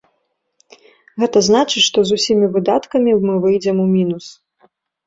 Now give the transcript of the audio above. Гэта значыць, што з усімі выдаткамі мы выйдзем у мінус.